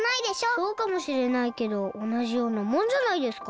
そうかもしれないけどおなじようなもんじゃないですか。